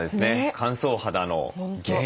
乾燥肌の原因